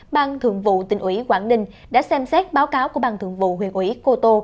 bang thượng vụ tỉnh ủy quảng ninh đã xem xét báo cáo của bang thượng vụ huyện ủy cô tô